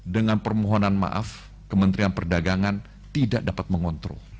dengan permohonan maaf kementerian perdagangan tidak dapat mengontrol